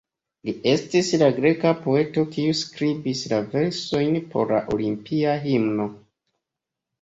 Li estis la greka poeto kiu skribis la versojn por la Olimpia Himno.